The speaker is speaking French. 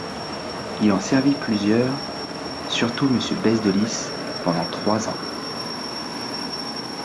Il en servit plusieurs, surtout Monsieur Bèze de Lys, pendant trois ans.